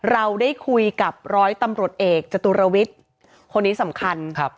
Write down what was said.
เราได้คุยกับร้อยตำรวจเอกจตุรวิทย์คนนี้สำคัญครับ